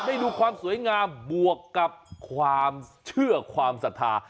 ได้ดูความสวยงามบวกกับความเชื่อความศรัทธา